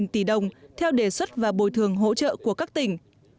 một tỷ đồng theo đề xuất và bồi thường hỗ trợ của các tỉnh